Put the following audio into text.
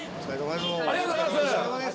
ありがとうございます。